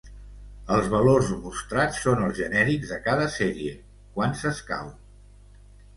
Els valors mostrats són els genèrics de cada sèrie, quan s’escau.